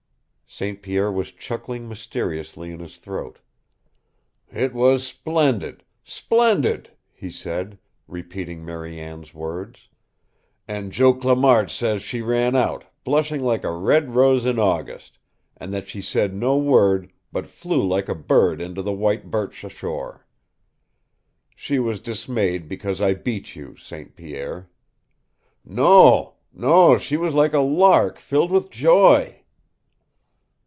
St. Pierre was chuckling mysteriously in his throat. "It was splendid splendid," he said, repeating Marie Anne's words. "And Joe Clamart says she ran out, blushing like a red rose in August, and that she said no word, but flew like a bird into the white birch ashore!" "She was dismayed because I beat you, St. Pierre." "Non, non she was like a lark filled with joy."